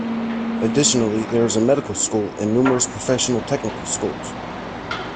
Additionally, there is a medical school and numerous professional technical schools.